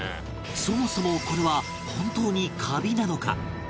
そもそもこれは本当にカビなのか？